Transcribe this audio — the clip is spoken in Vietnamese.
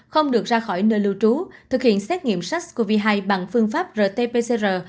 không được ra khỏi nơi lưu trú thực hiện xét nghiệm sars cov hai bằng phương pháp rt pcr